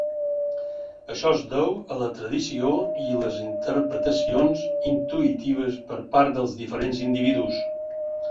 Això es deu a la tradició i les interpretacions intuïtives per part dels diferents individus.